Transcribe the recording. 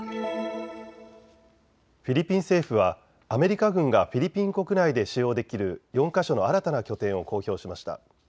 フィリピン政府はアメリカ軍がフィリピン国内で使用できる４か所の新たな拠点を公表しました。